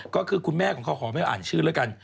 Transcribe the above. ก็คือคุณแม่ของเขาขอไม่อ่านชื่อแล้วกัน